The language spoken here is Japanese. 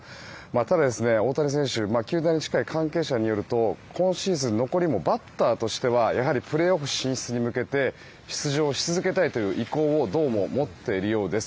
ただ、大谷選手球団に近い関係者によると今シーズン残りもバッターとしてはやはりプレーオフ進出に向けて出場し続けたいという意向をどうも持っているようです。